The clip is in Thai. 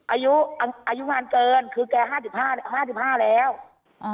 อายุอายุงานเกินคือแกห้าสิบห้าห้าสิบห้าแล้วอ่า